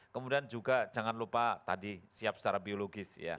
kemudian juga jangan lupa tadi siap secara biologis ya